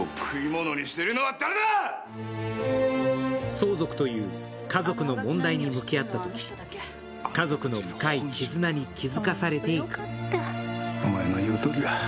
相続という、家族の問題に向き合ったとき家族の深い絆に気づかされていく。